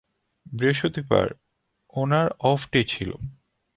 বৃহস্পতিবার, ওনার off day ছিল।